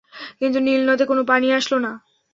কিন্তু নীল নদে কোন পানি আসলো না।